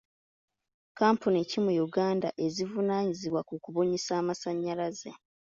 Kkampuni ki mu Uganda ezivunaanyizibwa ku kubunyisa amasannyalaze?